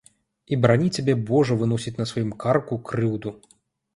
І барані цябе божа выносіць на сваім карку крыўду.